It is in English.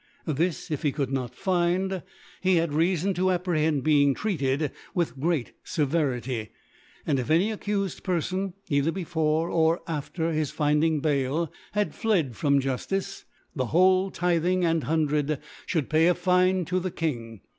This if he could not' find^ h? jud Reafon to apprehend being treated witU great Severity ; and if any accufed Perlbi^ •cither before or after his fiadiiig Bail^ fia^ fled from Juffice^ tiie whole Tithing ^n^ Hundred ftiould pay a Fine to the King.